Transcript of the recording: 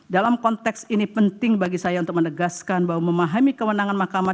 dalam konteks ini penting bagi saya untuk menegaskan bahwa memahami kewenangan mahkamah